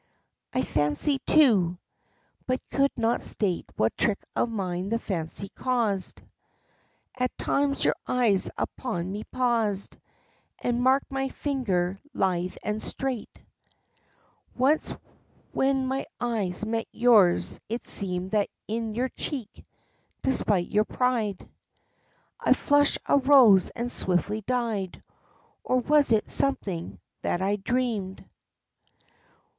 I fancy, too, (but could not state what trick of mind the fancy caused) At times your eyes upon me paused, and marked my figure lithe and straight. Once when my eyes met yours it seemed that in your cheek, despite your pride, A flush arose and swiftly died; or was it something that I dreamed?